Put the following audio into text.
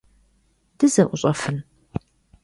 Dıze'uş'efın?